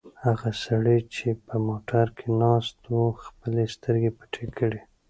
هغه سړی چې په موټر کې ناست و خپلې سترګې پټې کړې.